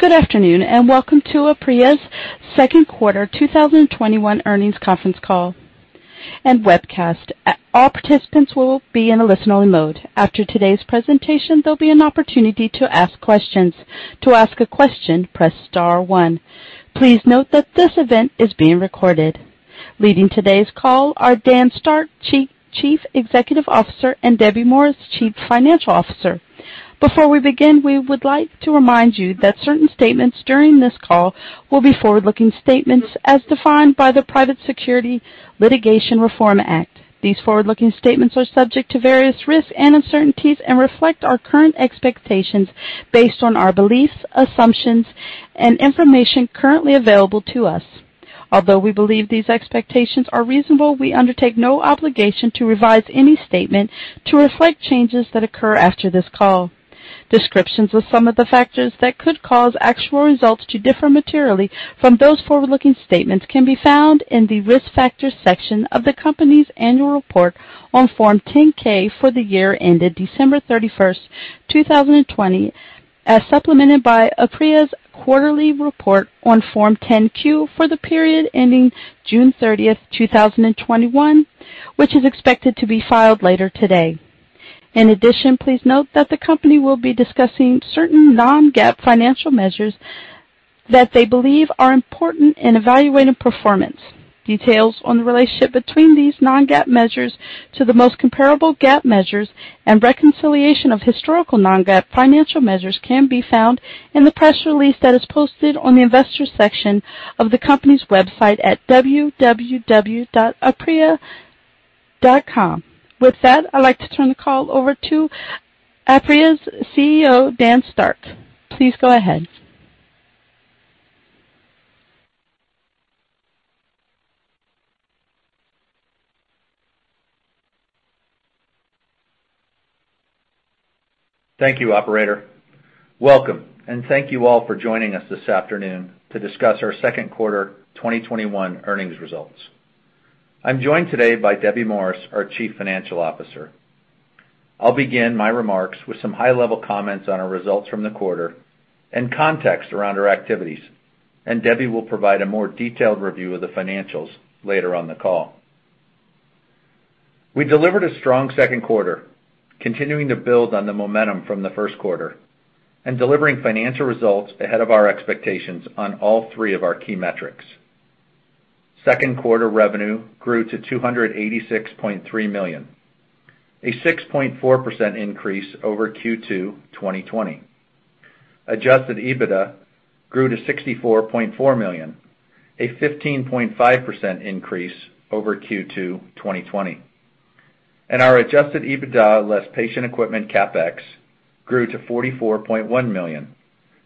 Good afternoon, Welcome to Apria's second quarter 2021 Earnings Conference Call and Webcast. All participants will be in a listen-only mode. After today's presentation, there'll be an opportunity to ask questions. To ask a question, press star one. Please note that this event is being recorded. Leading today's call are Dan Starck, Chief Executive Officer, and Debby Morris, Chief Financial Officer. Before we begin, we would like to remind you that certain statements during this call will be forward-looking statements as defined by the Private Securities Litigation Reform Act. These forward-looking statements are subject to various risks and uncertainties and reflect our current expectations based on our beliefs, assumptions, and information currently available to us. We believe these expectations are reasonable; we undertake no obligation to revise any statement to reflect changes that occur after this call. Descriptions of some of the factors that could cause actual results to differ materially from those forward-looking statements can be found in the risk factors section of the company's annual report on Form 10-K for the year ended December 31st, 2020, as supplemented by Apria's quarterly report on Form 10-Q for the period ending June 30th, 2021, which is expected to be filed later today. In addition, please note that the company will be discussing certain non-GAAP financial measures that they believe are important in evaluating performance. Details on the relationship between these non-GAAP measures to the most comparable GAAP measures and reconciliation of historical non-GAAP financial measures can be found in the press release that is posted on the investors section of the company's website at www.apria.com. With that, I'd like to turn the call over to Apria's CEO, Dan Starck. Please go ahead. Thank you, operator. Welcome, and thank you all for joining us this afternoon to discuss our second quarter 2021 earnings results. I'm joined today by Debby Morris, our Chief Financial Officer. I'll begin my remarks with some high-level comments on our results from the quarter and the context around our activities. Debby will provide a more detailed review of the financials later on the call. We delivered a strong second quarter, continuing to build on the momentum from the first quarter and delivering financial results ahead of our expectations on all three of our key metrics. Second quarter revenue grew to $286.3 million, a 6.4% increase over Q2 2020. Adjusted EBITDA grew to $64.4 million, a 15.5% increase over Q2 2020. Our Adjusted EBITDA less patient equipment CapEx grew to $44.1 million,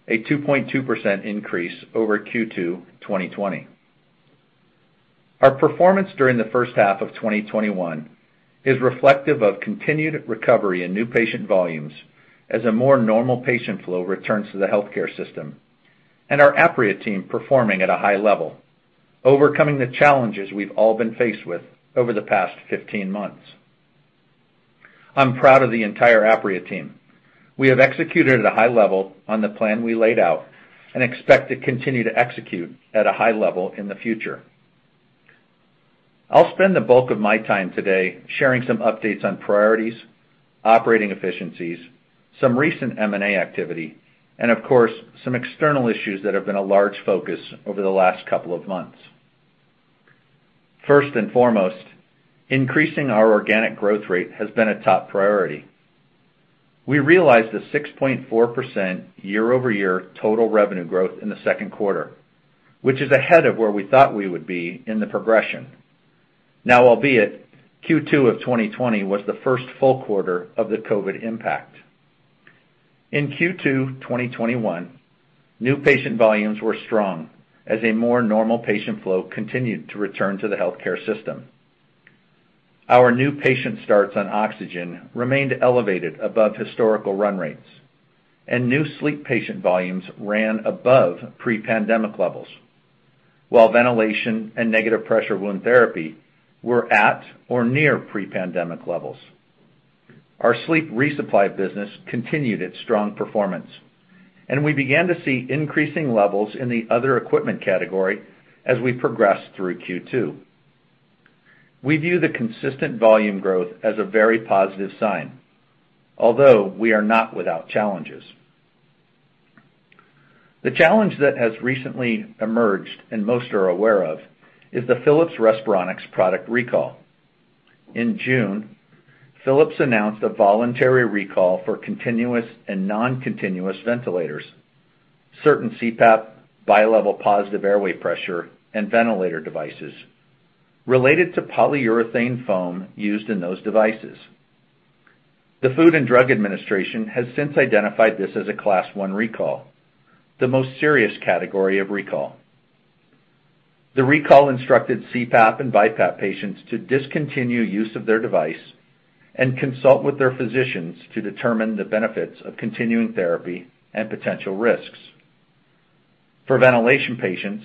a 2.2% increase over Q2 2020. Our performance during the first half of 2021 is reflective of continued recovery in new patient volumes as a more normal patient flow returns to the healthcare system, and our Apria team is performing at a high level, overcoming the challenges we've all been faced with over the past 15 months. I'm proud of the entire Apria team. We have executed at a high level on the plan we laid out and expect to continue to execute at a high level in the future. I'll spend the bulk of my time today sharing some updates on priorities, operating efficiencies, some recent M&A activity, and, of course, some external issues that have been a large focus over the last couple of months. First and foremost, increasing our organic growth rate has been a top priority. We realized a 6.4% year-over-year total revenue growth in the second quarter, which is ahead of where we thought we would be in the progression. Now, albeit Q2 of 2020 was the first full quarter of the COVID-19 impact. In Q2 2021, new patient volumes were strong as a more normal patient flow continued to return to the healthcare system. Our new patient starts on oxygen, remained elevated above historical run rates, and new sleep patient volumes ran above pre-pandemic levels, while ventilation and negative pressure wound therapy were at or near pre-pandemic levels. Our sleep resupply business continued its strong performance, and we began to see increasing levels in the other equipment category as we progressed through Q2. We view the consistent volume growth as a very positive sign, although we are not without challenges. The challenge that has recently emerged and most are aware of, is the Philips Respironics product recall. In June, Philips announced a voluntary recall for continuous and non-continuous ventilators, certain CPAP, bilevel positive airway pressure, and ventilator devices related to polyurethane foam used in those devices. The Food and Drug Administration has since identified this as a Class I recall, the most serious category of recall. The recall instructed CPAP and BiPAP patients to discontinue use of their device and consult with their physicians to determine the benefits of continuing therapy and potential risks. For ventilation patients,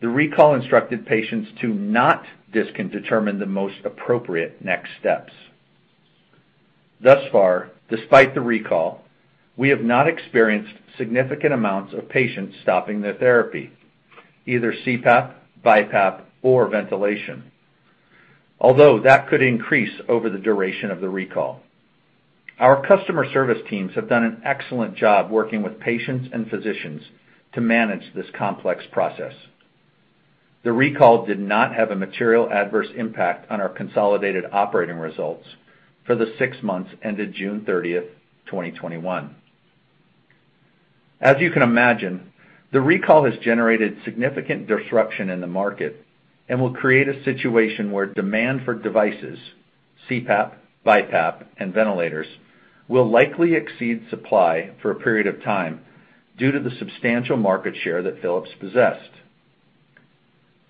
the recall instructed patients not to determine the most appropriate next steps. Thus far, despite the recall, we have not experienced significant amounts of patients stopping their therapy, either CPAP, BiPAP, or ventilation, although that could increase over the duration of the recall. Our customer service teams have done an excellent job working with patients and physicians to manage this complex process. The recall did not have a material adverse impact on our consolidated operating results for the six months ended June 30th, 2021. As you can imagine, the recall has generated significant disruption in the market and will create a situation where demand for devices, CPAP, BiPAP, and ventilators will likely exceed supply for a period of time due to the substantial market share that Philips possessed.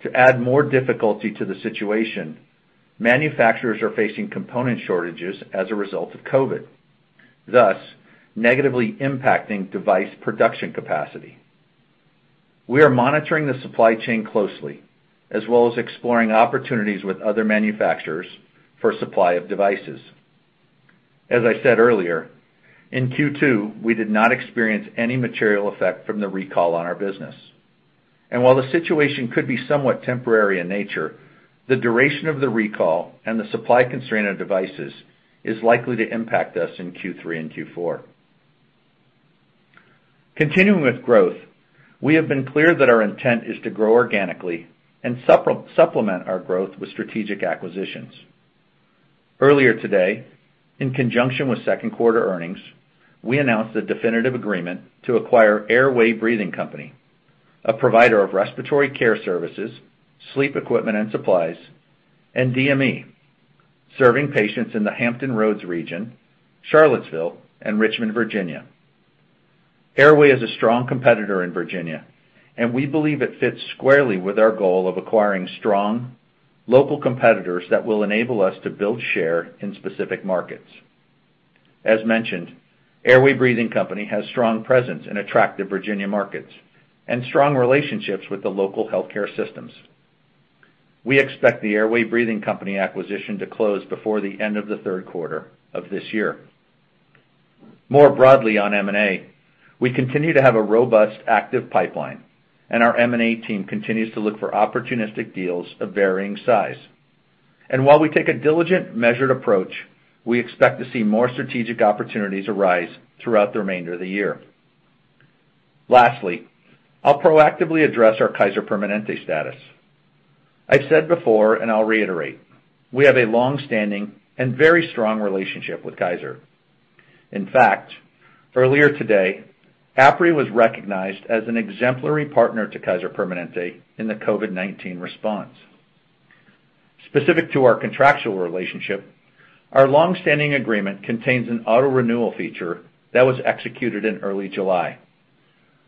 To add more difficulty to the situation, manufacturers are facing component shortages as a result of COVID, thus negatively impacting device production capacity. We are monitoring the supply chain closely, as well as exploring opportunities with other manufacturers for supply of devices. As I said earlier, in Q2, we did not experience any material effect from the recall on our business. While the situation could be somewhat temporary in nature, the duration of the recall and the supply constraint of devices is likely to impact us in Q3 and Q4. Continuing with growth, we have been clear that our intent is to grow organically and supplement our growth with strategic acquisitions. Earlier today, in conjunction with second quarter earnings, we announced the definitive agreement to acquire Airway Breathing Company, a provider of respiratory care services, sleep equipment and supplies, and DME, serving patients in the Hampton Roads region, Charlottesville, and Richmond, Virginia. Airway is a strong competitor in Virginia, and we believe it fits squarely with our goal of acquiring strong local competitors that will enable us to build share in specific markets. As mentioned, Airway Breathing Company has strong presence in attractive Virginia markets and strong relationships with the local healthcare systems. We expect the Airway Breathing Company acquisition to close before the end of the third quarter of this year. More broadly on M&A, we continue to have a robust, active pipeline, and our M&A team continues to look for opportunistic deals of varying size. While we take a diligent, measured approach, we expect to see more strategic opportunities arise throughout the remainder of the year. Lastly, I'll proactively address our Kaiser Permanente status. I've said before, and I'll reiterate, we have a longstanding and very strong relationship with Kaiser. In fact, earlier today, Apria was recognized as an exemplary partner to Kaiser Permanente in the COVID-19 response. Specific to our contractual relationship, our longstanding agreement contains an auto-renewal feature that was executed in early July.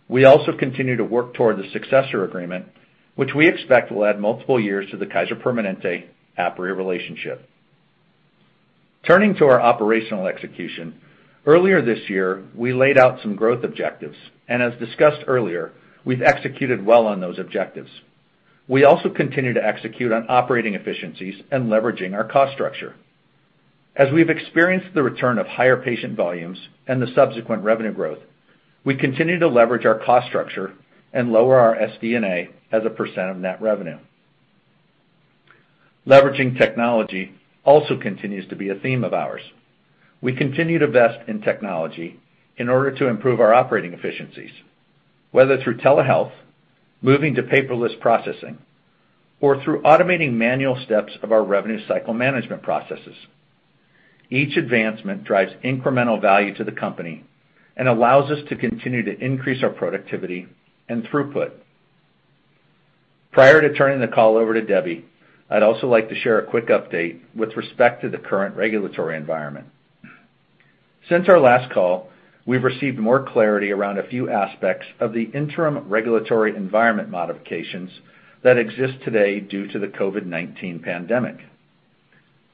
We also continue to work toward the successor agreement, which we expect will add multiple years to the Kaiser Permanente Apria relationship. Turning to our operational execution. Earlier this year, we laid out some growth objectives, and as discussed earlier, we've executed well on those objectives. We also continue to execute on operating efficiencies and leveraging our cost structure. As we've experienced the return of higher patient volumes and the subsequent revenue growth, we continue to leverage our cost structure and lower our SG&A as a % of net revenue. Leveraging technology also continues to be a theme of ours. We continue to invest in technology in order to improve our operating efficiencies, whether through telehealth, moving to paperless processing, or through automating manual steps of our revenue cycle management processes. Each advancement drives incremental value to the company and allows us to continue to increase our productivity and throughput. Prior to turning the call over to Debby, I'd also like to share a quick update with respect to the current regulatory environment. Since our last call, we've received more clarity around a few aspects of the interim regulatory environment modifications that exist today due to the COVID-19 pandemic.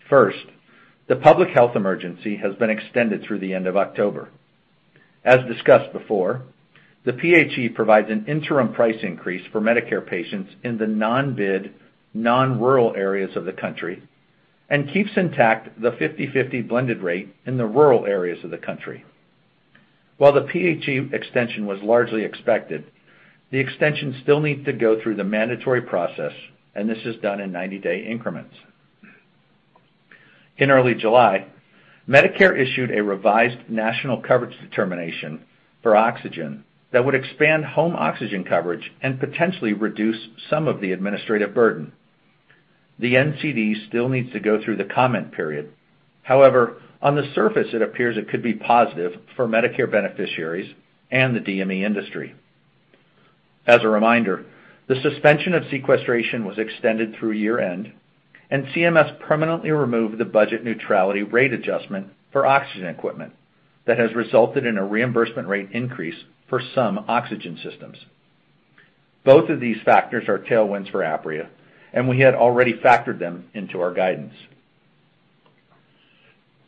First, the public health emergency has been extended through the end of October. As discussed before, the PHE provides an interim price increase for Medicare patients in the non-bid, non-rural areas of the country and keeps intact the 50/50 blended rate in the rural areas of the country. While the PHE extension was largely expected, the extension still needs to go through the mandatory process, and this is done in 90-day increments. In early July, Medicare issued a revised national coverage determination for oxygen that would expand home oxygen coverage and potentially reduce some of the administrative burden. The NCD still needs to go through the comment period. However, on the surface, it appears it could be positive for Medicare beneficiaries and the DME industry. As a reminder, the suspension of sequestration was extended through year-end, and CMS permanently removed the budget neutrality rate adjustment for oxygen equipment that has resulted in a reimbursement rate increase for some oxygen systems. Both of these factors are tailwinds for Apria, and we had already factored them into our guidance.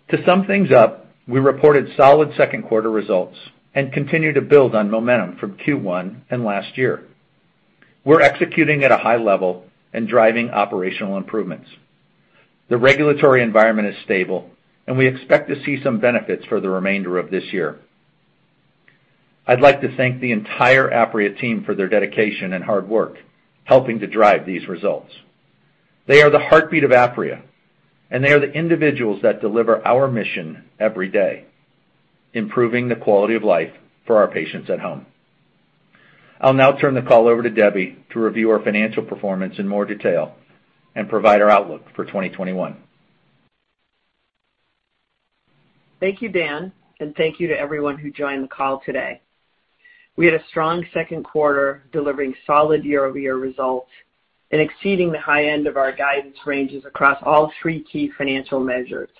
To sum things up, we reported solid second quarter results and continue to build on momentum from Q1 and last year. We're executing at a high level and driving operational improvements. The regulatory environment is stable, and we expect to see some benefits for the remainder of this year. I'd like to thank the entire Apria team for their dedication and hard work, helping to drive these results. They are the heartbeat of Apria, and they are the individuals that deliver our mission every day, improving the quality of life for our patients at home. I'll now turn the call over to Debby to review our financial performance in more detail and provide our outlook for 2021. Thank you, Dan, and thank you to everyone who joined the call today. We had a strong second quarter, delivering solid year-over-year results and exceeding the high end of our guidance ranges across all three key financial measures.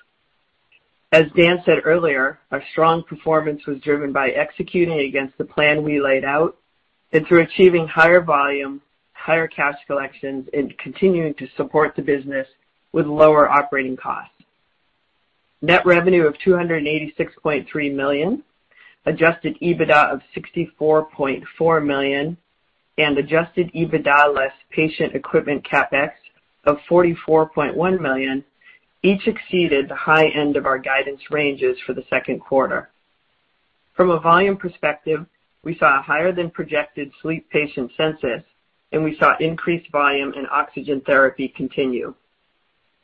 As Dan said earlier, our strong performance was driven by executing against the plan we laid out and through achieving higher volume, higher cash collections, and continuing to support the business with lower operating costs. Net revenue of $286.3 million, Adjusted EBITDA of $64.4 million, and Adjusted EBITDA less patient equipment CapEx of $44.1 million, each exceeded the high end of our guidance ranges for the second quarter. From a volume perspective, we saw a higher-than-projected sleep patient census, and we saw increased volume and oxygen therapy continue.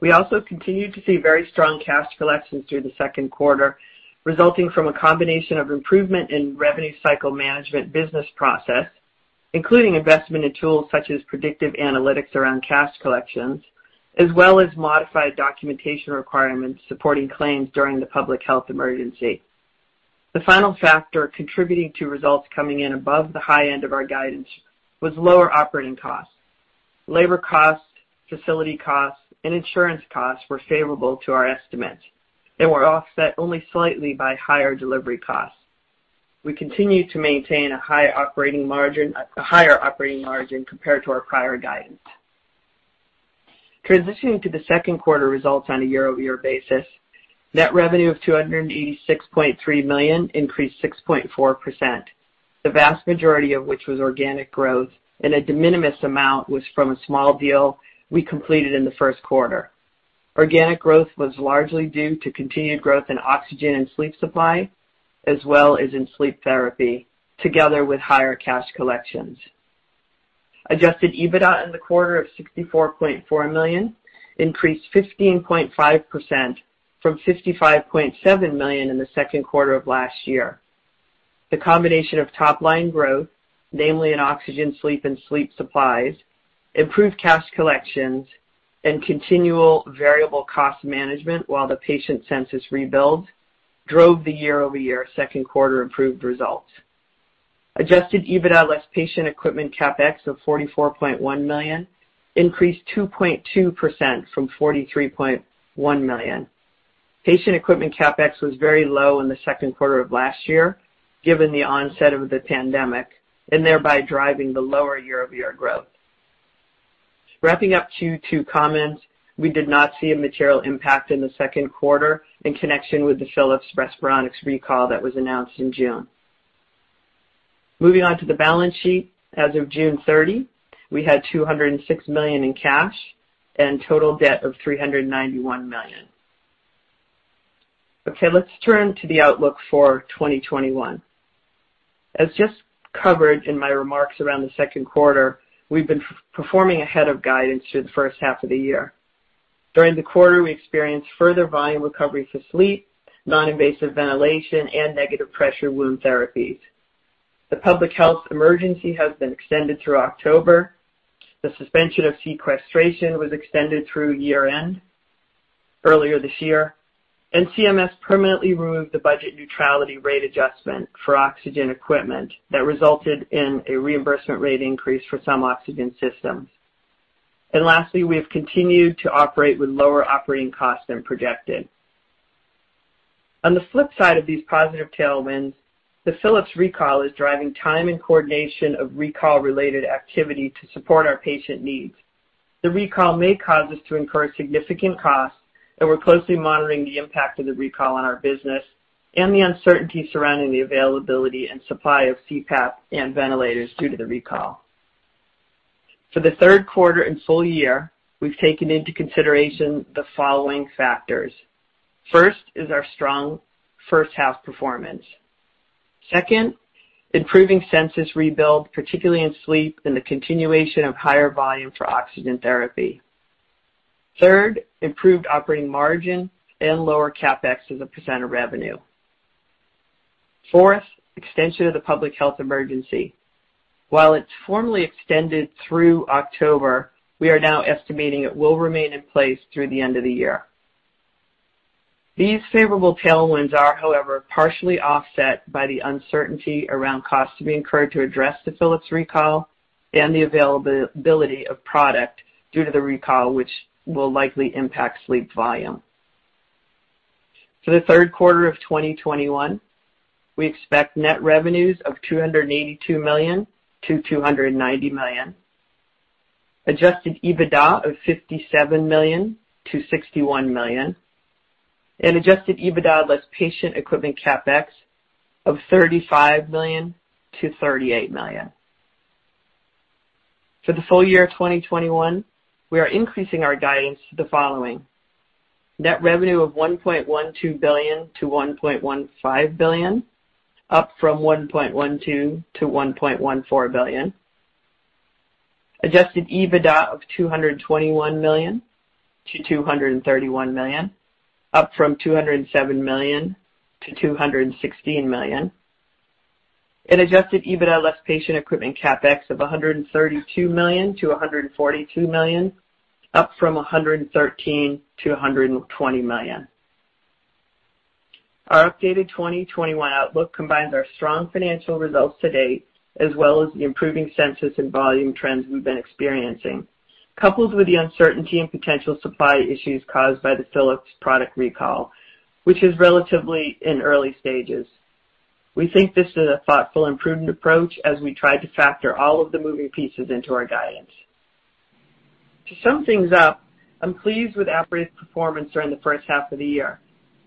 We also continued to see very strong cash collections through the second quarter, resulting from a combination of improvement in revenue cycle management business process, including investment in tools such as predictive analytics around cash collections, as well as modified documentation requirements supporting claims during the public health emergency. The final factor contributing to results coming in above the high end of our guidance was lower operating costs. Labor costs, facility costs, and insurance costs were favorable to our estimates. They were offset only slightly by higher delivery costs. We continue to maintain a higher operating margin compared to our prior guidance. Transitioning to the second quarter results on a year-over-year basis, net revenue of $286.3 million increased 6.4%, the vast majority of which was organic growth, and a de minimis amount was from a small deal we completed in the first quarter. Organic growth was largely due to continued growth in oxygen and sleep supply, as well as in sleep therapy, together with higher cash collections. Adjusted EBITDA in the quarter of $64.4 million increased 15.5% from $55.7 million in the second quarter of last year. The combination of top-line growth, namely in oxygen, sleep, and sleep supplies, improved cash collections, and continual variable cost management while the patient census rebuilds, drove the year-over-year second quarter improved results. Adjusted EBITDA less patient equipment CapEx of $44.1 million increased 2.2% from $43.1 million. Patient equipment CapEx was very low in the second quarter of last year, given the onset of the pandemic, thereby driving the lower year-over-year growth. Wrapping up Q2 comments, we did not see a material impact in the second quarter in connection with the Philips Respironics recall that was announced in June. Moving on to the balance sheet, as of June 30, we had $206 million in cash and total debt of $391 million. Okay, let's turn to the outlook for 2021. As just covered in my remarks around the second quarter, we've been performing ahead of guidance through the first half of the year. During the quarter, we experienced further volume recovery for sleep, non-invasive ventilation, and negative pressure wound therapies. The public health emergency has been extended through October, the suspension of sequestration was extended through year-end earlier this year, and CMS permanently removed the budget neutrality rate adjustment for oxygen equipment that resulted in a reimbursement rate increase for some oxygen systems. Lastly, we have continued to operate with lower operating costs than projected. On the flip side of these positive tailwinds, the Philips recall is driving time and coordination of recall-related activity to support our patient needs. The recall may cause us to incur significant costs. We're closely monitoring the impact of the recall on our business and the uncertainty surrounding the availability and supply of CPAP and ventilators due to the recall. For the third quarter and full year, we've taken into consideration the following factors. First is our strong first-half performance. Second, improving census rebuild, particularly in sleep, and the continuation of higher volume for oxygen therapy. Third, improved operating margin and lower CapEx as a percent of revenue. Fourth, extension of the public health emergency. While it's formally extended through October, we are now estimating it will remain in place through the end of the year. These favorable tailwinds are, however, partially offset by the uncertainty around costs to be incurred to address the Philips recall and the availability of product due to the recall, which will likely impact sleep volume. For the third quarter of 2021, we expect net revenues of $282 million-$290 million. Adjusted EBITDA of $57 million-$61 million, and Adjusted EBITDA less patient equipment CapEx of $35 million-$38 million. For the full year 2021, we are increasing our guidance to the following: net revenue of $1.12 billion-$1.15 billion, up from $1.12 billion-$1.14 billion. Adjusted EBITDA of $221 million-$231 million, up from $207 million-$216 million. Adjusted EBITDA less patient equipment CapEx of $132 million-$142 million, up from $113 million-$120 million. Our updated 2021 outlook combines our strong financial results to date, as well as the improving census and volume trends we've been experiencing, coupled with the uncertainty and potential supply issues caused by the Philips product recall, which is relatively in early stages. We think this is a thoughtful and prudent approach as we try to factor all of the moving pieces into our guidance. To sum things up, I'm pleased with Apria's performance during the first half of the year.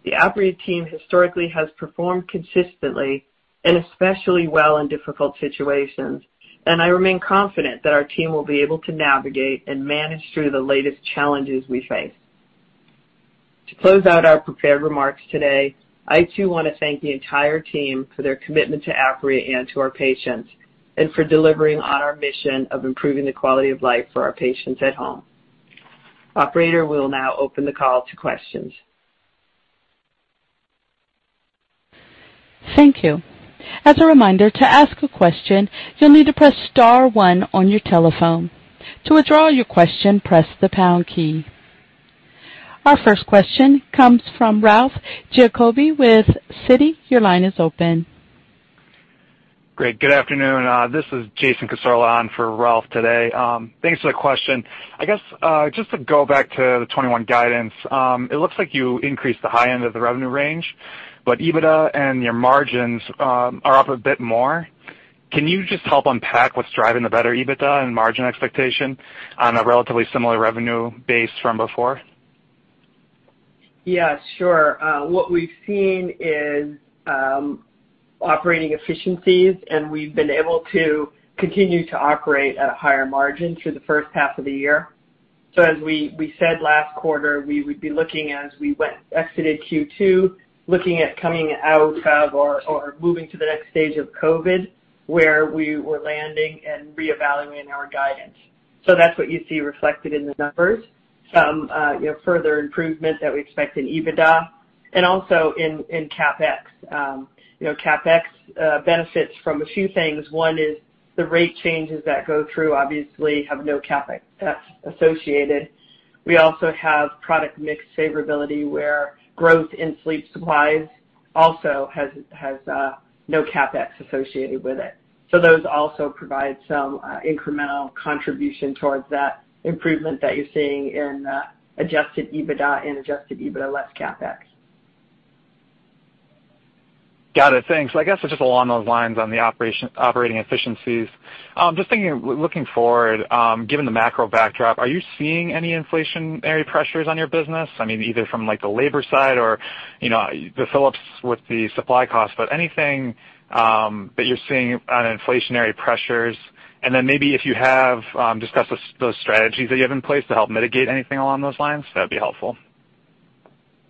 The Apria team historically has performed consistently and especially well in difficult situations, and I remain confident that our team will be able to navigate and manage through the latest challenges we face. To close out our prepared remarks today, I too want to thank the entire team for their commitment to Apria and to our patients, and for delivering on our mission of improving the quality of life for our patients at home. Operator, we'll now open the call to questions. Thank you. As a reminder, to ask a question, you'll need to press star one on your telephone. To withdraw your question, press the pound key. Our first question comes from Ralph Giacobbe with Citi. Your line is open. Great. Good afternoon. This is Jason Cassorla in for Ralph today. Thanks for the question. I guess, just to go back to the 2021 guidance. It looks like you increased the high end of the revenue range, but EBITDA and your margins are up a bit more. Can you just help unpack what's driving the better EBITDA and margin expectation on a relatively similar revenue base from before? Sure. What we've seen is operating efficiencies, and we've been able to continue to operate at a higher margin through the first half of the year. As we said last quarter, we would be looking as we exited Q2, looking at coming out of or moving to the next stage of COVID, where we were landing and reevaluating our guidance. That's what you see reflected in the numbers. Some further improvements that we expect in EBITDA and also in CapEx. CapEx benefits from a few things. One is the rate changes that go through, obviously, have no CapEx associated. We also have product mix favorability, where growth in sleep supplies also has no CapEx associated with it. Those also provide some incremental contribution towards that improvement that you're seeing in Adjusted EBITDA and Adjusted EBITDA less CapEx. Got it. Thanks. I guess just along those lines on the operating efficiencies, just thinking, looking forward, given the macro backdrop, are you seeing any inflationary pressures on your business? Either from the labor side or Philips with the supply costs, anything that you're seeing on inflationary pressures? Maybe if you have, just those strategies that you have in place to help mitigate anything along those lines, that'd be helpful.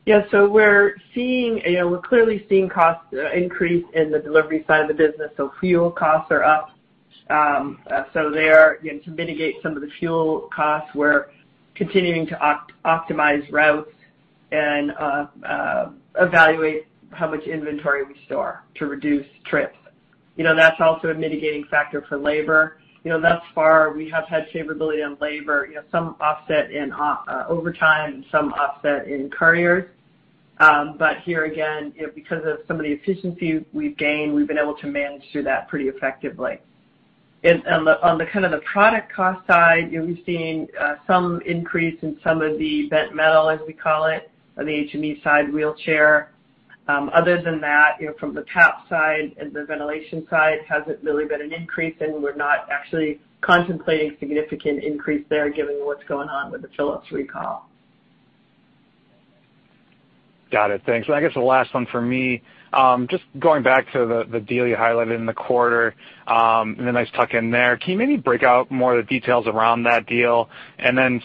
We're clearly seeing cost increases in the delivery side of the business, fuel costs are up. To mitigate some of the fuel costs, we're continuing to optimize routes and evaluate how much inventory we store to reduce trips. That's also a mitigating factor for labor. Thus far, we have had favorability on labor, some offset in overtime and some offset in couriers. Here, again, because of some of the efficiencies we've gained, we've been able to manage through that pretty effectively. On the product cost side, we've seen some increase in some of the bent metal, as we call it, on the HME side wheelchair. Other than that, from the top side and the ventilation side, hasn't really been an increase, and we're not actually contemplating significant increase there given what's going on with the Philips recall. Got it. Thanks. I guess the last one from me, just going back to the deal you highlighted in the quarter, the nice tuck-in there. Can you maybe break out more of the details around that deal?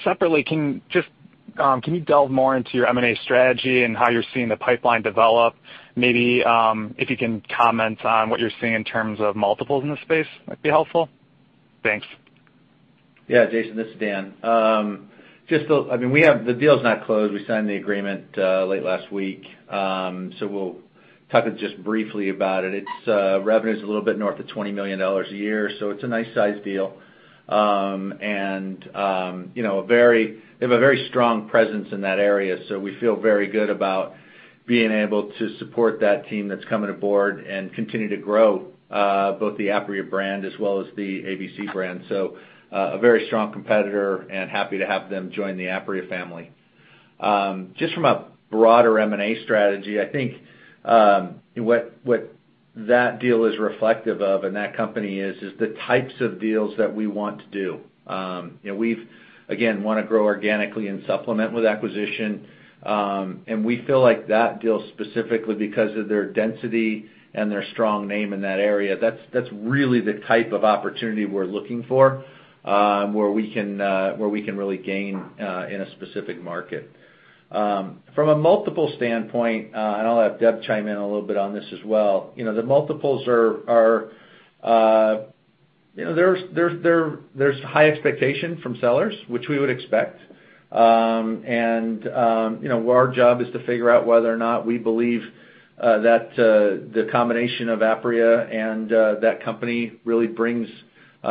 Separately, can you delve more into your M&A strategy and how you're seeing the pipeline develop? Maybe if you can comment on what you're seeing in terms of multiples in the space, might be helpful. Thanks. Yeah, Jason, this is Dan. The deal's not closed. We signed the agreement late last week. We'll talk just briefly about it. Its revenue is a little bit north of $20 million a year, so it's a nice size deal. They have a very strong presence in that area, so we feel very good about being able to support that team that's coming aboard and continue to grow both the Apria brand as well as the ABC brand. A very strong competitor and happy to have them join the Apria family. Just from a broader M&A strategy, I think what that deal is reflective of and that company is the types of deals that we want to do. We, again, want to grow organically and supplement with acquisition. We feel like that deal specifically because of their density and their strong name in that area, that's really the type of opportunity we're looking for, where we can really gain in a specific market. From a multiple standpoint, and I'll have Deb chime in a little bit on this as well, the multiples are. There's high expectation from sellers, which we would expect. Our job is to figure out whether or not we believe that the combination of Apria and that company really brings,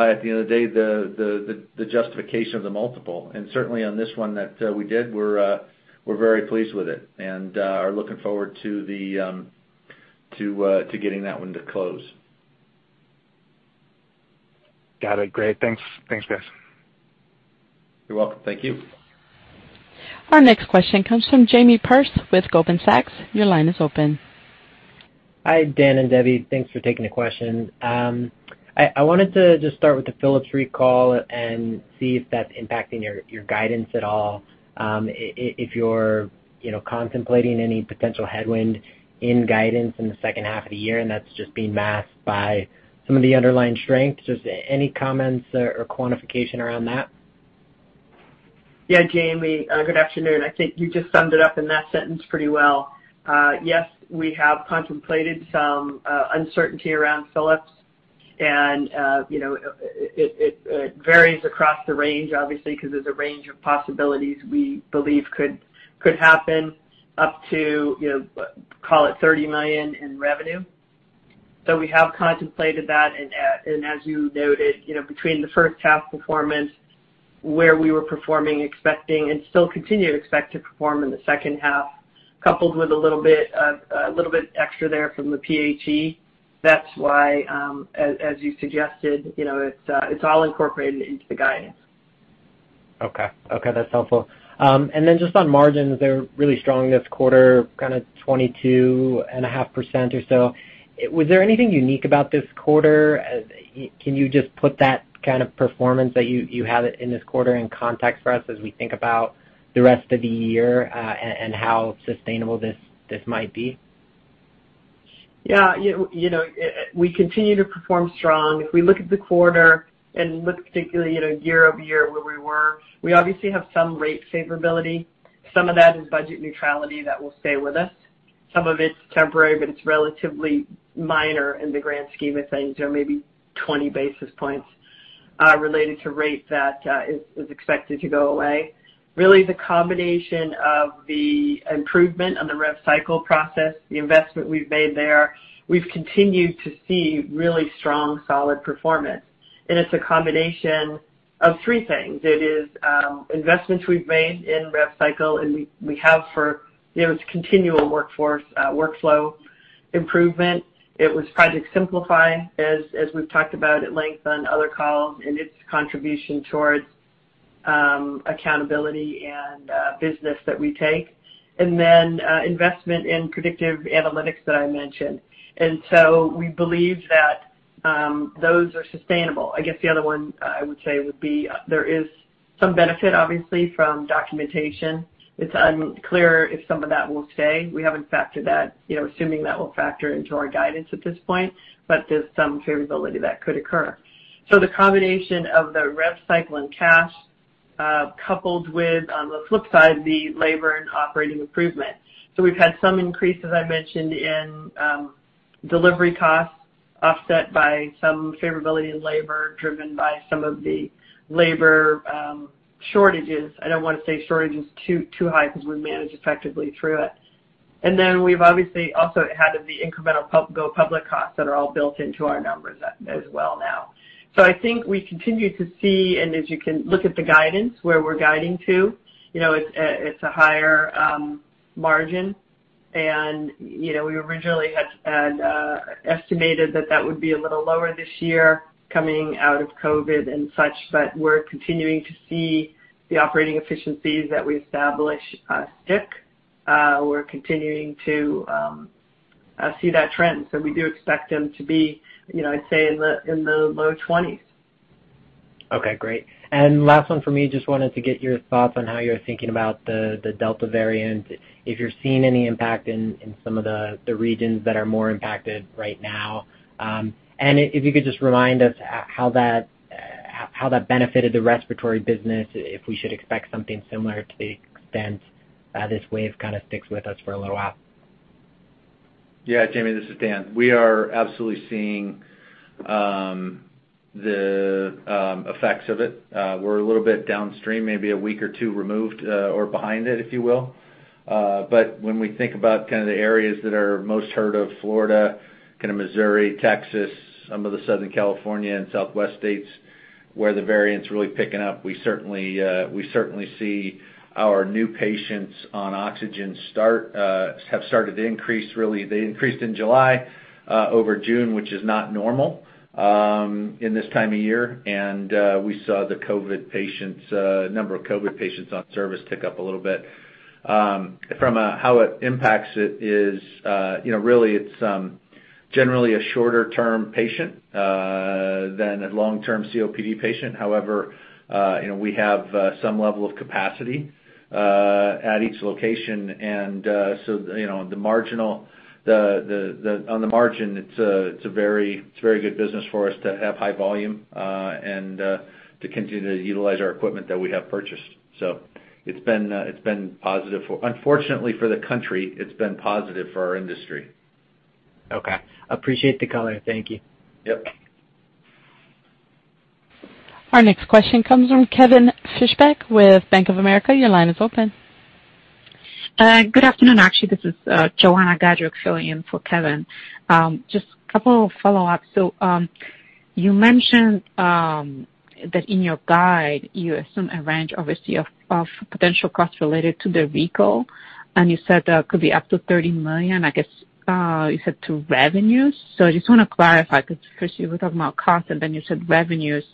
at the end of the day, the justification of the multiple. Certainly, on this one that we did, we're very pleased with it and are looking forward to getting that one to close. Got it. Great. Thanks, guys. You're welcome. Thank you. Our next question comes from Jamie Perse with Goldman Sachs. Your line is open. Hi, Dan and Debby. Thanks for taking the question. I wanted to just start with the Philips recall and see if that's impacting your guidance at all, if you're contemplating any potential headwind in guidance in the second half of the year, and that's just being masked by some of the underlying strengths. Just any comments or quantification around that? Yeah, Jamie, good afternoon. I think you just summed it up in that sentence pretty well. We have contemplated some uncertainty around Philips, and it varies across the range, obviously, because there's a range of possibilities we believe could happen, up to call it $30 million in revenue. We have contemplated that, and as you noted, between the first half performance where we were performing expecting and still continue to expect to perform in the second half, coupled with a little bit extra there from the PHE. That's why, as you suggested, it's all incorporated into the guidance. Okay. That's helpful. Just on margins, they're really strong this quarter, kind of 22.5% or so. Was there anything unique about this quarter? Can you just put that kind of performance that you had it in this quarter in context for us as we think about the rest of the year, and how sustainable this might be? Yeah. We continue to perform strong. If we look at the quarter and look particularly year-over-year where we were, we obviously have some rate favorability. Some of that is budget neutrality that will stay with us. Some of it's temporary, but it's relatively minor in the grand scheme of things or maybe 20 basis points related to rate that is expected to go away. Really, the combination of the improvement on the rev cycle process, the investment we've made there, we've continued to see really strong, solid performance. It's a combination of three things. It is investments we've made in rev cycle, and we have for It's continual workflow improvement. It was Project Simplify, as we've talked about at length on other calls and its contribution towards accountability and business that we take. Then investment in predictive analytics that I mentioned. We believe that those are sustainable. I guess the other one I would say would be, there is some benefit, obviously, from documentation. It's unclear if some of that will stay. We haven't factored that, assuming that will factor into our guidance at this point, but there's some favorability that could occur. The combination of the rev cycle and cash, coupled with, on the flip side, the labor and operating improvement. We've had some increase, as I mentioned, in delivery costs offset by some favorability in labor, driven by some of the labor shortages. I don't want to say shortages too high because we managed effectively through it. We've obviously also had the incremental go public costs that are all built into our numbers as well now. I think we continue to see, as you can look at the guidance where we're guiding to, it's a higher margin. We originally had estimated that that would be a little lower this year coming out of COVID and such, but we're continuing to see the operating efficiencies that we established stick. We're continuing to see that trend. We do expect them to be, I'd say in the low 20s. Okay, great. Last one from me, just wanted to get your thoughts on how you're thinking about the Delta variant, if you're seeing any impact in some of the regions that are more impacted right now. If you could just remind us how that benefited the respiratory business, if we should expect something similar to the extent this wave kind of sticks with us for a little while. Yeah, Jamie, this is Dan. We are absolutely seeing the effects of it. We're a little bit downstream, maybe a week or two removed, or behind it, if you will. When we think about kind of the areas that are most heard of, Florida, kind of Missouri, Texas, some of the Southern California and Southwest states, where the variant's really picking up, we certainly see our new patients on oxygen have started to increase really. They increased in July over June, which is not normal in this time of year. We saw the number of COVID patients on service tick up a little bit. From how it impacts it is, really it's generally a shorter-term patient than a long-term COPD patient. However, we have some level of capacity at each location, and so on the margin, it's very good business for us to have high volume and to continue to utilize our equipment that we have purchased. It's been positive. Unfortunately, for the country, it's been positive for our industry. Okay. Appreciate the color. Thank you. Yep. Our next question comes from Kevin Fischbeck with Bank of America. Your line is open. Good afternoon. Actually, this is Joanna Gajuk filling in for Kevin. Just a couple of follow-ups. You mentioned that in your guide, you assume a range, obviously, of potential costs related to the recall, and you said that could be up to $30 million, I guess, you said to revenues. I just want to clarify because first you were talking about costs and then you said revenues,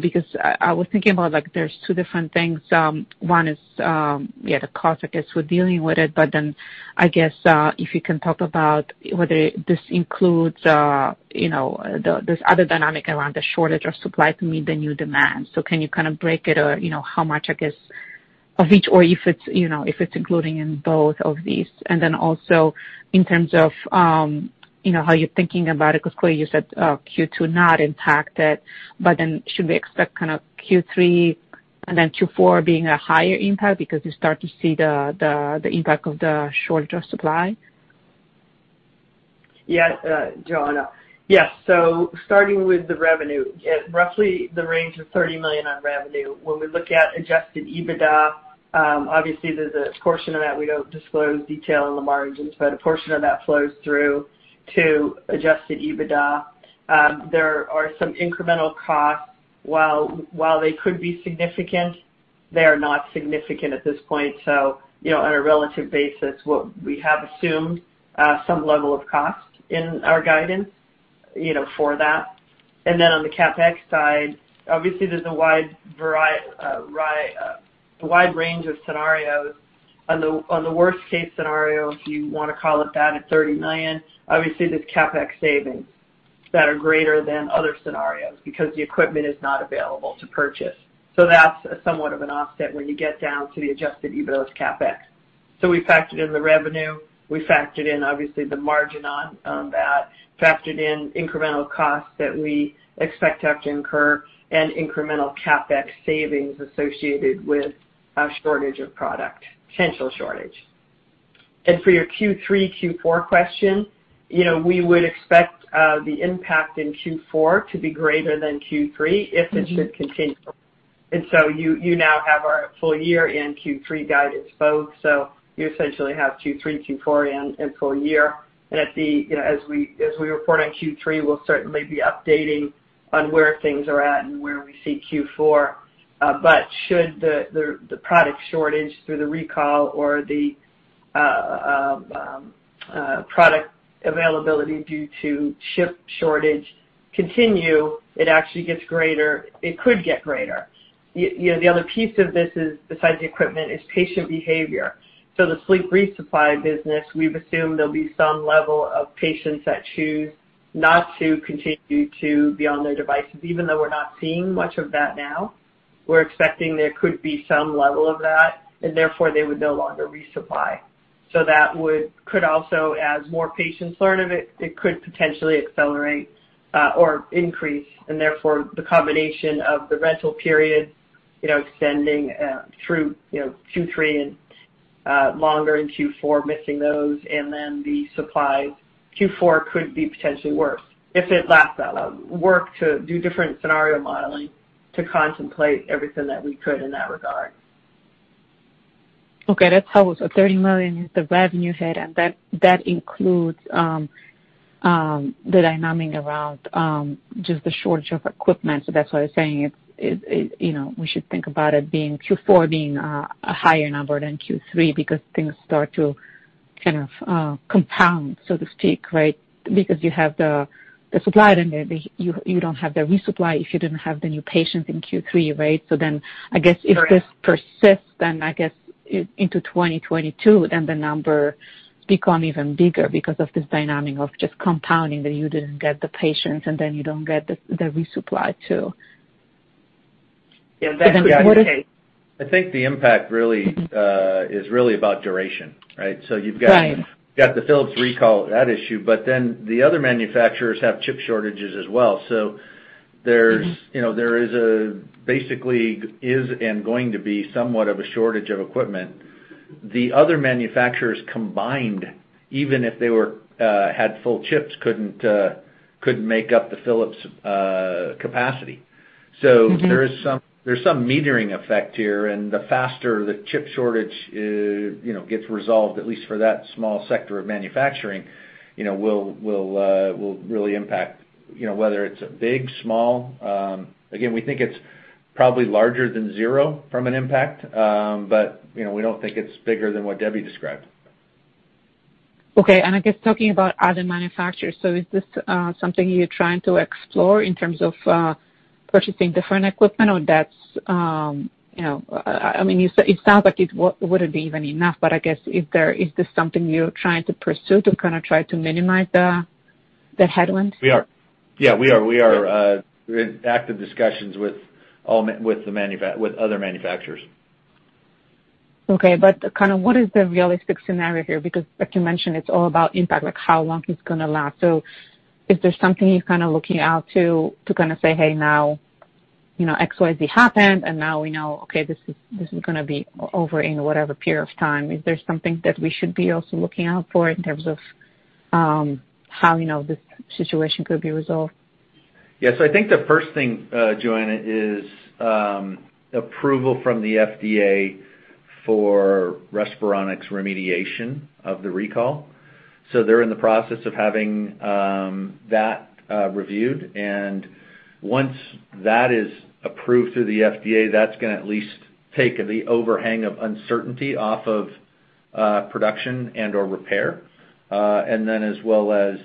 because I was thinking about there's two different things. One is, yeah, the cost, I guess, with dealing with it. I guess, if you can talk about whether this includes this other dynamic around the shortage of supply to meet the new demand. Can you kind of break it, or how much, I guess, of each, or if it's including in both of these? Also, in terms of how you're thinking about it, because clearly you said Q2 not impacted, should we expect kind of Q3 and then Q4 being a higher impact because you start to see the impact of the shortage of supply? Yeah, Joanna. Yes. Starting with the revenue, at roughly the range of $30 million on revenue, when we look at Adjusted EBITDA, obviously, there's a portion of that we don't disclose in detail in the margins, but a portion of that flows through to Adjusted EBITDA. There are some incremental costs. While they could be significant, they are not significant at this point. On a relative basis, what we have assumed some level of cost in our guidance for that. On the CapEx side, obviously there's a wide range of scenarios. On the worst case scenario, if you want to call it that, at $30 million, obviously, there's CapEx savings that are greater than other scenarios because the equipment is not available to purchase. That's somewhat of an offset when you get down to the Adjusted EBITDA as CapEx. We factored in the revenue, we factored in, obviously, the margin on that, factored in incremental costs that we expect to have to incur and incremental CapEx savings associated with a shortage of product, potential shortage. For your Q3, Q4 question, we would expect the impact in Q4 to be greater than Q3 if it should continue. You now have our full year and Q3 guidance both, so you essentially have Q3, Q4, and full year. As we report on Q3, we'll certainly be updating on where things are at and where we see Q4. Should the product shortage through the recall or the product availability due to chip shortage continue, it actually gets greater, it could get greater. The other piece of this is, besides the equipment, is patient behavior. The sleep resupply business, we've assumed there'll be some level of patients that choose not to continue to be on their devices. Even though we're not seeing much of that now, we're expecting there could be some level of that, and therefore, they would no longer resupply. That could also, as more patients learn of it, potentially accelerate or increase, and therefore the combination of the rental period extending through Q3 and longer in Q4, missing those, and then the supply, Q4 could be potentially worse if it lasts that long. We work to do different scenario modeling to contemplate everything that we could in that regard. Okay. That's helpful. $30 million is the revenue hit, and that includes the dynamic around just the shortage of equipment. That's why I was saying we should think about Q4 being a higher number than Q3 because things start to kind of compound, so to speak, right? Because you have the supply, and then you don't have the resupply if you didn't have the new patients in Q3, right? I guess if this persists, then I guess into 2022, then the number becomes even bigger because of this dynamic of just compounding that you didn't get the patients, and then you don't get the resupply, too. Yeah, that could be the case. I think the impact really is really about duration, right? Right. You've got the Philips recall, that issue, the other manufacturers have chip shortages as well. There basically is and going to be somewhat of a shortage of equipment. The other manufacturers combined, even if they had full chips, couldn't make up the Philips capacity. There's some metering effect here, and the faster the chip shortage gets resolved, at least for that small sector of manufacturing, will really impact whether it's big, small. Again, we think it's probably larger than zero from an impact, but we don't think it's bigger than what Debby described. I guess talking about other manufacturers, is this something you're trying to explore in terms of purchasing different equipment or that's It sounds like it wouldn't be even enough, I guess, is this something you're trying to pursue to kind of try to minimize that headwind? We are. Yeah, we are. We are in active discussions with other manufacturers. What is the realistic scenario here? As you mentioned, it's all about impact, like how long it's going to last. Is there something you're kind of looking out to kind of say, "Hey, now, X, Y, Z happened, and now we know, okay, this is going to be over in whatever period of time." Is there something that we should also be looking out for in terms of how this situation could be resolved? Yes. I think the first thing, Joanna, is approval from the FDA for Respironics remediation of the recall. They're in the process of having that reviewed, and once that is approved through the FDA, that's going to at least take the overhang of uncertainty off of production and/or repair. As well as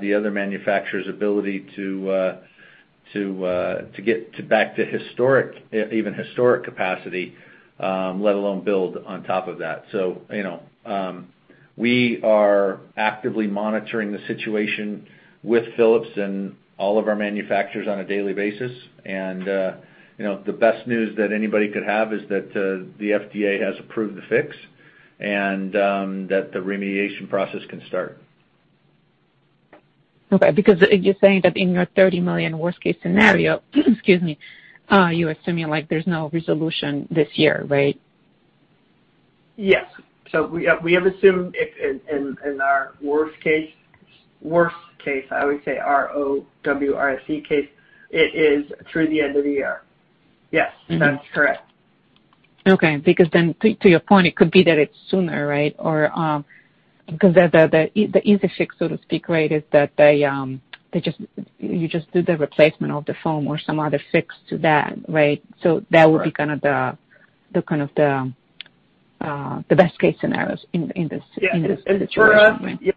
the other manufacturer's ability to get back to even historic capacity, let alone build on top of that. We are actively monitoring the situation with Philips and all of our manufacturers on a daily basis. The best news that anybody could have is that the FDA has approved the fix and that the remediation process can start. Okay, because you're saying that in your $30 million worst-case scenario, excuse me, you're assuming there's no resolution this year, right? Yes. We have assumed, in our worst case, I would say W-O-R-S-T case, it is through the end of the year. Yes, that's correct. To your point, it could be that it's sooner, right? The easy fix, so to speak, right, is that you just do the replacement of the foam or some other fix to that, right? That would be kind of the best-case scenario in this situation. Yes.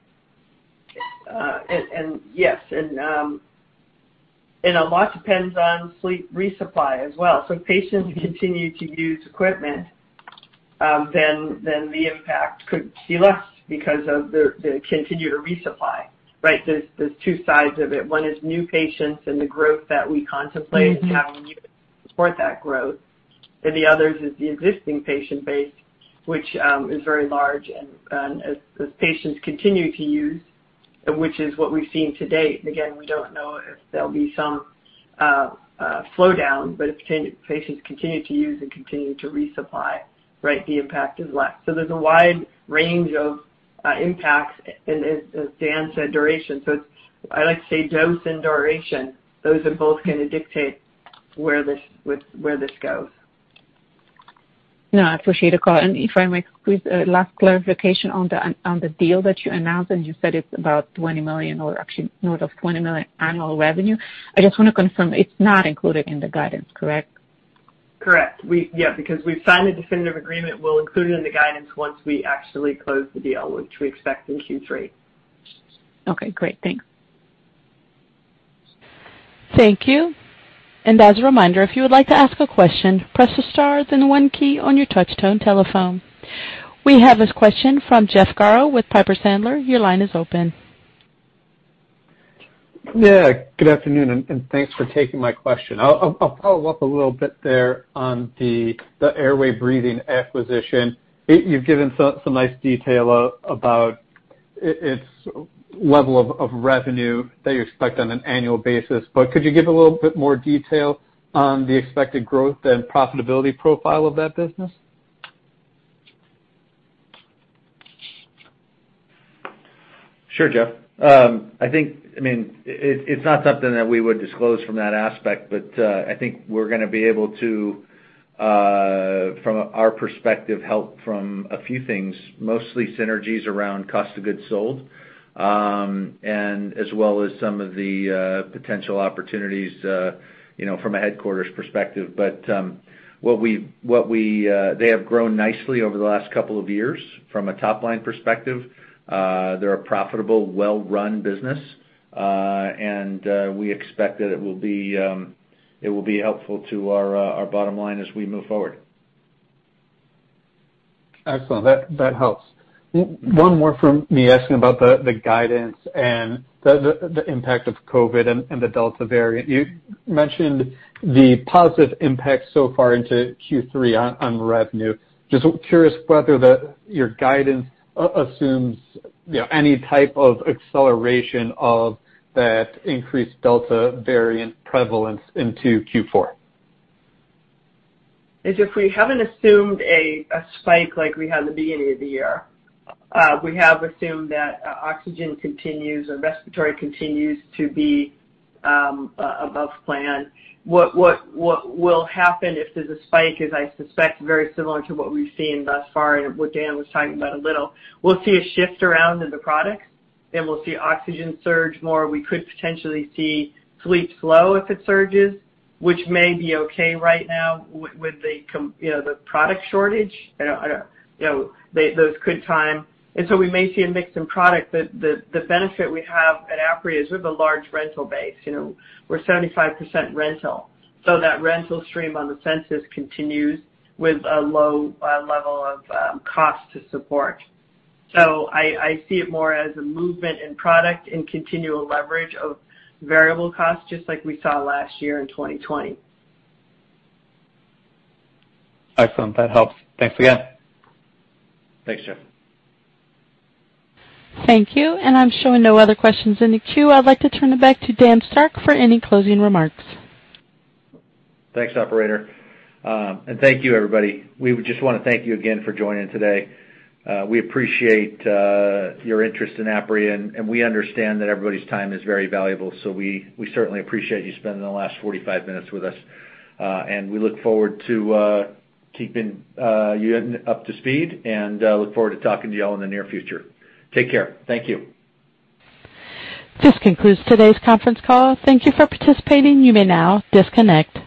A lot depends on sleep resupply as well. If patients continue to use the equipment, then the impact could be less because of the continued resupply, right? There's two sides of it. One is new patients and the growth that we contemplate and having units to support that growth, and the other is the existing patient base, which is very large, and as patients continue to use, which is what we've seen to date, and again, we don't know if there'll be some slowdown, but if patients continue to use and continue to resupply, right, the impact is less. There's a wide range of impacts and, as Dan Starck said, duration. I like to say dose and duration. Those are both going to dictate where this goes. No, I appreciate the call. If I may, please, last clarification on the deal that you announced, you said it's about $20 million, or actually, north of $20 million annual revenue. I just want to confirm it's not included in the guidance, correct? Correct. We've signed a definitive agreement. We'll include it in the guidance once we actually close the deal, which we expect in Q3. Okay, great. Thanks. Thank you. As a reminder, if you like to ask the question, press star and one key touch tone telephone. We have this question from Jeff Garro with Piper Sandler. Your line is open. Yeah, good afternoon, thanks for taking my question. I'll follow up a little bit there on the Airway Breathing acquisition. You've given some nice detail about its level of revenue that you expect on an annual basis, could you give a little bit more detail on the expected growth and profitability profile of that business? Sure, Jeff. It's not something that we would disclose from that aspect, but I think we're going to be able to, from our perspective, help from a few things, mostly synergies around cost of goods sold, and as well as some of the potential opportunities from a headquarters perspective. They have grown nicely over the last couple of years from a top-line perspective. They're a profitable, well-run business. We expect that it will be helpful to our bottom line as we move forward. Excellent. That helps. One more from me asking about the guidance and the impact of COVID-19 and the Delta variant. You mentioned the positive impact so far into Q3 on revenue. Just curious whether your guidance assumes any type of acceleration of that increased Delta variant prevalence into Q4. Jeff, we haven't assumed a spike like we had in the beginning of the year. We have assumed that oxygen continues or respiratory continues to be above plan. What will happen if there's a spike is, I suspect, very similar to what we've seen thus far and what Dan Starck was talking about a little. We'll see a shift around in the products. We'll see oxygen surge more. We could potentially see sleep slow if it surges, which may be okay right now with the product shortage. Those could time. We may see a mix in product, but the benefit we have at Apria is that we have a large rental base. We're 75% rental. That rental stream on the census continues with a low level of cost to support. I see it more as a movement in product and continual leverage of variable costs, just like we saw last year in 2020. Excellent. That helps. Thanks again. Thanks, Jeff. Thank you. I'm showing no other questions in the queue. I'd like to turn it back to Dan Starck for any closing remarks. Thanks, operator. Thank you, everybody. We just want to thank you again for joining today. We appreciate your interest in Apria, and we understand that everybody's time is very valuable. We certainly appreciate you spending the last 45 minutes with us. We look forward to keeping you up to speed and look forward to talking to you all in the near future. Take care. Thank you. This concludes today's conference call. Thank you for participating. You may now disconnect.